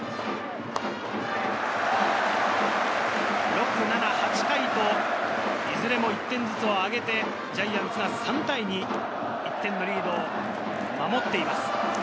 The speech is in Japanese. ６、７、８回と、いずれも１点ずつを挙げて、ジャイアンツが３対２、１点のリードを守っています。